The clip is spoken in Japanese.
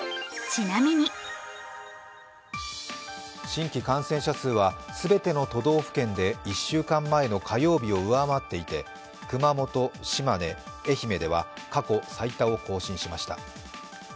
新規感染者数は全ての都道府県で１週間前の火曜日を上回っていて熊本、島根、愛媛では過去最多を更新しました。